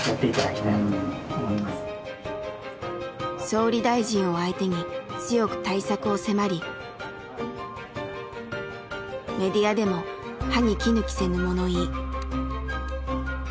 総理大臣を相手に強く対策を迫りメディアでも歯にきぬ着せぬ物言い。